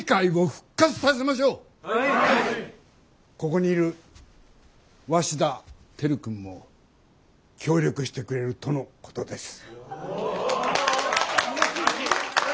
ここにいる鷲田照君も協力してくれるとのことです。